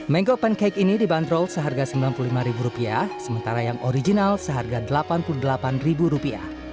menggo pancake ini dibanderol seharga rp sembilan puluh lima sementara yang original seharga rp delapan puluh delapan